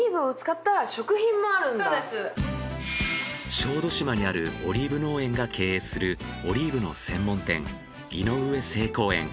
小豆島にあるオリーブ農園が経営するオリーブの専門店井上誠耕園。